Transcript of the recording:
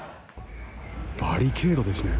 バリケードですね。